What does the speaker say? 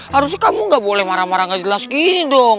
harusnya kamu gak boleh marah marah nggak jelas gini dong